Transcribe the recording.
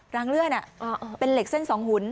รางเลื่อนเป็นเหล็กเส้นสองหุ่น